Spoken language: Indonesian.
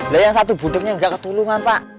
lo yang satu budegnya nggak ketulungan pak